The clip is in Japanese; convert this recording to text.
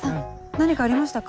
何かありましたか？